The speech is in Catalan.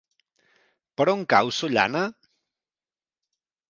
Per on cau Sollana?